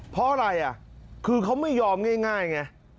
เพราะอะไรอ่ะคือเขาไม่ยอมง่ายไง